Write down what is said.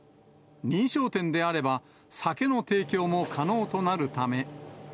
認証店であれば、酒の提供も可能となるため。